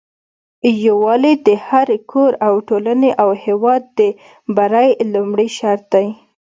يوالي د هري کور او ټولني او هيواد د بری لمړي شرط دي